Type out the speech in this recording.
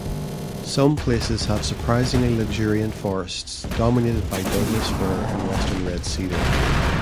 Some places have surprisingly luxuriant forests dominated by Douglas-fir and western red cedar.